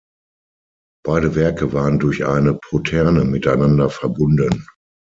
Beide Werke waren durch eine Poterne miteinander verbunden.